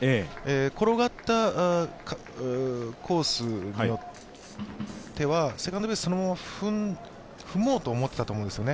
転がったコースによってはセカンドベースそのまま踏もうと思ってたと思うんですよね。